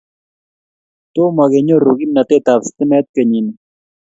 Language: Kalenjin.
Tomo kenyoru kimnaetetab stimet kenyini.